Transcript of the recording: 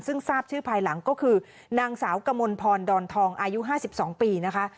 ซึ่งทราบชื่อภายหลังก็คือนางสาวกมลพรดอนทองอายุ๕๒ปีนะคะ